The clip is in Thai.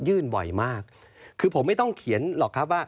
บ่อยมากคือผมไม่ต้องเขียนหรอกครับว่า